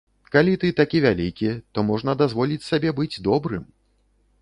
Калі ты такі вялікі, то можна дазволіць сабе быць добрым.